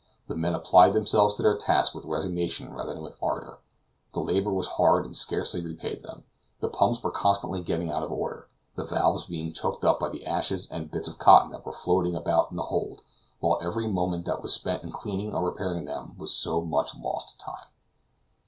The men applied themselves to their task with resignation rather than with ardor; the labor was hard and scarcely repaid them; the pumps were constantly getting out of order, the valves being choked up by the ashes and bits of cotton that were floating about in the hold, while every moment that was spent in cleaning or repairing them was so much time lost.